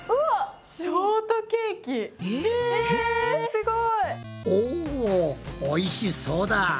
すごい！おおいしそうだ。